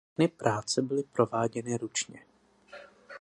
Všechny práce byly prováděny ručně.